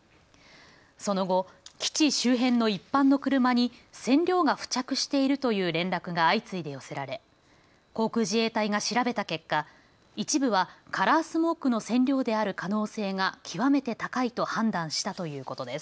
その後、基地周辺の一般の車に染料が付着しているという連絡が相次いで寄せられ航空自衛隊が調べた結果、一部はカラースモークの染料である可能性が極めて高いと判断したということです。